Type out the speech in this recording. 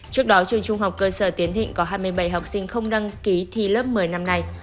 trước đó trường trung học cơ sở tiến thịnh có hai mươi bảy học sinh không đăng ký thi lớp một mươi năm nay